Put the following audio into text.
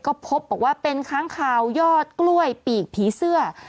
ก็พบบอกว่าเป็นค้างคาวยอดกล้วยปีกผีเสื้อ